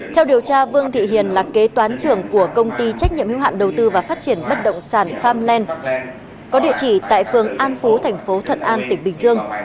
theo điều tra vương thị hiền là kế toán trưởng của công ty trách nhiệm hiếu hạn đầu tư và phát triển bất động sản farmland có địa chỉ tại phường an phú tp thuận an tỉnh bình dương